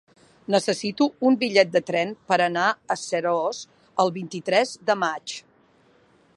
Necessito un bitllet de tren per anar a Seròs el vint-i-tres de maig.